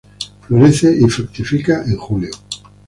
Florece y fructifica en Julio.